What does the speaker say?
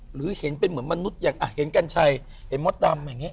หรือเห็นเป็นเหมือนมนุษย์อย่างเห็นกัญชัยเห็นมดดำอย่างนี้